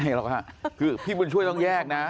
หรอกค่ะคือพี่บุญช่วยต้องแยกนะ